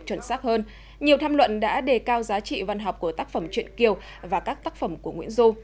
chuẩn xác hơn nhiều tham luận đã đề cao giá trị văn học của tác phẩm chuyện kiều và các tác phẩm của nguyễn du